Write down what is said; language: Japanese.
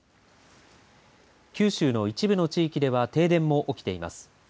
九州の一部の地域では停電も起きています。